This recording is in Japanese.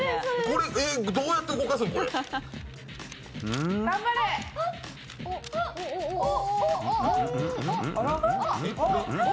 これどうやって動かすの？